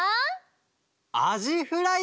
アジフライです！